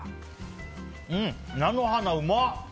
うん、菜の花うまっ！